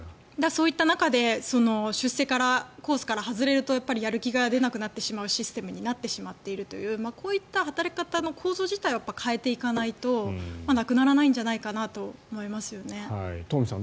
そういった中で出世コースから外れるとやる気が出なくなるシステムになってしまっているという働き方の構造自体を変えていかないとなくならないんじゃないかなと東輝さん、